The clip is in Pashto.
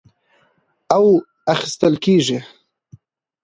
او اخىستل کېږي،